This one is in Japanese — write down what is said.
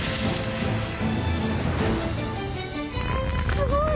すごい。